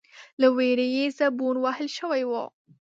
، له وېرې يې زبون وهل شوی و،